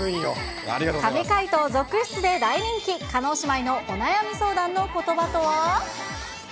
神回答続出で大人気、叶姉妹のお悩み相談のことばとは？